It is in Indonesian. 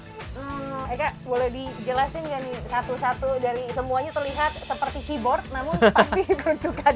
eka boleh dijelasin nggak nih satu satu dari semuanya terlihat seperti keyboard